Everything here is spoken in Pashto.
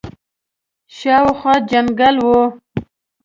شاوخوا جنګل وو.